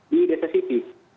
di desa siti